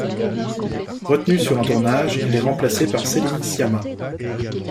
Retenue sur un tournage, elle est remplacée par Céline Sciamma.